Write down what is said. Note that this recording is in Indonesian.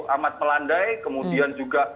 amat melandai kemudian juga